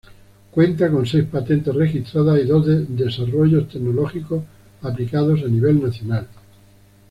Cuenta con seis patentes registradas y dos desarrollos tecnológicos aplicados a nivel nacional.